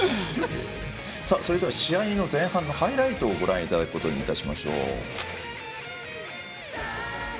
試合の前半のハイライトをご覧いただくことにいたしましょう。